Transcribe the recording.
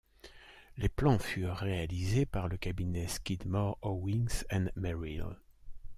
Les plans furent réalisés par le cabinet Skidmore, Owings and Merrill.